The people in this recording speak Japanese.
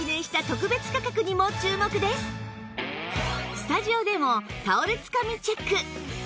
スタジオでもタオルつかみチェック